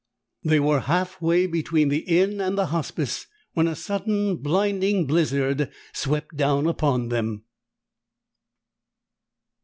They were halfway between the inn and the Hospice when a sudden, blinding blizzard swept down upon them.